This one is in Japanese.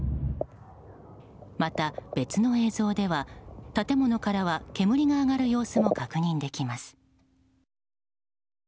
また、別の映像では建物からは煙が上がる様子も確認できます。